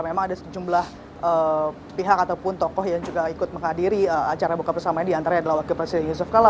karena memang ada sejumlah pihak ataupun tokoh yang juga ikut menghadiri acara buka bersama di antara wakil presiden yusuf kala